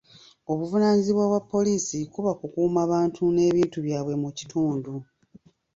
Obuvunaanyizibwa bwa poliisi kuba kukuuma bantu n'ebintu byabwe mu kitundu.